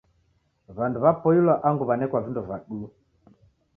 W'andu w'apoilwa angu w'anekwa vindo va duu.